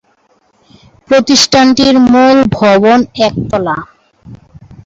প্রতিষ্ঠানটির মূল ভবন একতলা।